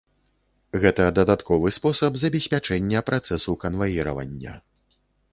Гэта дадатковы спосаб забеспячэння працэсу канваіравання.